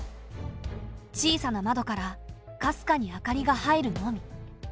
小さな窓からかすかに明かりが入るのみ。